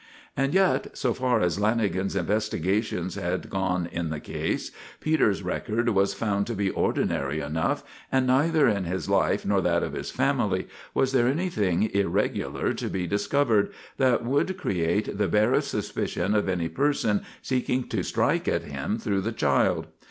And yet, so far as Lanagan's investigations had gone on the case, Peters' record was found to be ordinary enough, and neither in his life nor that of his family was there anything irregular to be discovered that would create the barest suspicion of any person seeking to strike at him through the child.